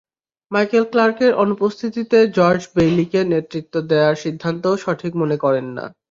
Michael ক্লার্কের অনুপস্থিতিতে George বেইলিকে নেতৃত্ব দেওয়ার সিদ্ধান্তও সঠিক মনে করেন না।